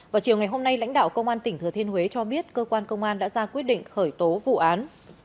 vào chiều ngày hôm nay lãnh đạo công an tỉnh thừa thiên huế cho biết cơ quan công an đã ra quyết định khởi tố vụ án